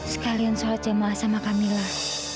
sekalian sholat jemaah sama kamilah